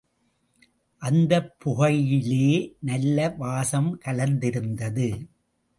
அந்தப் புகையிலே நல்ல வாசம் கலந்திருந்தது.